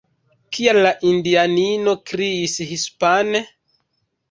Kial la indianino kriis hispane?